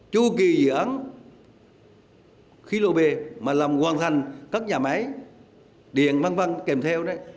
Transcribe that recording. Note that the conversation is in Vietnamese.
chu kỳ dự án khí lô bê mà làm hoàn thành các nhà máy điện văn văn văn kèm theo đó